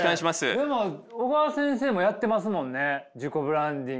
でも小川先生もやってますもんね自己ブランディング。